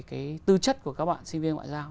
cái tư chất của các bạn sinh viên ngoại giao